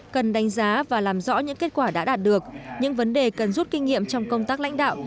cần đánh giá và làm rõ những kết quả đã đạt được những vấn đề cần rút kinh nghiệm trong công tác lãnh đạo